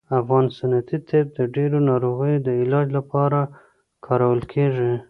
افغان سنتي طب د ډیرو ناروغیو د علاج لپاره کارول کیږي